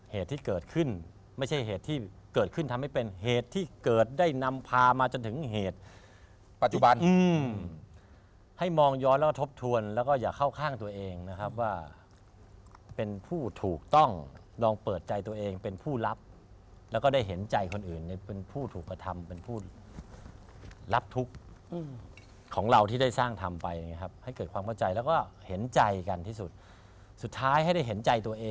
เหตุที่เกิดขึ้นไม่ใช่เหตุที่เกิดขึ้นทำให้เป็นเหตุที่เกิดได้นำพามาจนถึงเหตุปัจจุบันให้มองย้อนแล้วก็ทบทวนแล้วก็อย่าเข้าข้างตัวเองนะครับว่าเป็นผู้ถูกต้องลองเปิดใจตัวเองเป็นผู้รับแล้วก็ได้เห็นใจคนอื่นเป็นผู้ถูกกระทำเป็นผู้รับทุกข์ของเราที่ได้สร้างทำไปนะครับให้เกิดความเข้าใจแล้วก็เห็นใจกันที่สุดสุดท้ายให้ได้เห็นใจตัวเอง